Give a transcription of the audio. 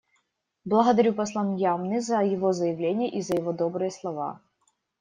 Благодарю посла Мьянмы за его заявление и за его добрые слова.